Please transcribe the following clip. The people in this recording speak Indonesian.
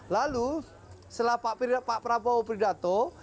lalu setelah pak prabowo pidato